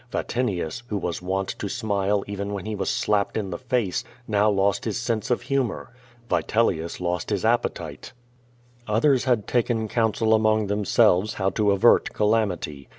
Vatinius, who was wont to smile even when he was slapped in the face, now lost his sense of humor. Vitelius lost his appetite. 354 *^^ VADI8. Others had taken counsel among themselves how to avert calamity.